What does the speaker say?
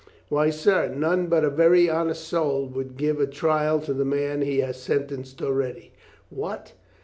"Why, sir, none but a. very honest soul would give a trial to the man he has sentenced already." "What!